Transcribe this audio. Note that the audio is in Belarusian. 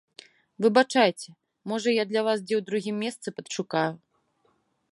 Выбачайце, можа, я для вас дзе ў другім месцы падшукаю.